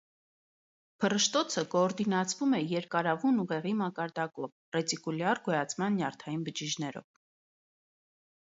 Փռշտոցը կոորդինացվում է երկարավուն ուղեղի մակարդակով՝ ռետիկուլյար գոյացման նյարդային բջիջներով։